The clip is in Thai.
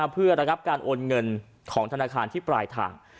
เพื่อระงับการโอนเงินของธนาคารที่ปลายทาง